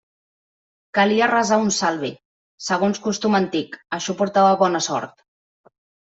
Calia resar una salve, segons costum antic; això portava bona sort.